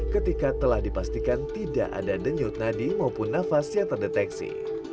ketika telah dipastikan tidak ada denyut nadi maupun nafas yang terdeteksi